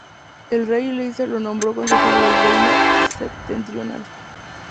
El rey Elessar lo nombró consejero del Reino Septentrional.